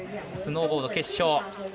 スノーボード決勝。